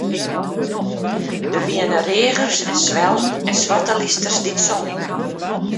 Der wiene reagers en swellen en swarte lysters dy't songen.